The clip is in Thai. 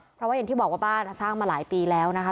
เพราะว่าอย่างที่บอกว่าบ้านสร้างมาหลายปีแล้วนะคะ